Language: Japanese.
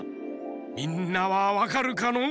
みんなはわかるかのう？